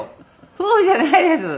夫婦じゃないです。